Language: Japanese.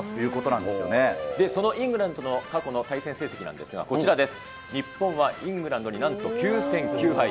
なんそのイングランドとの過去の対戦成績なんですが、こちらです、日本はイングランドになんと９戦９敗。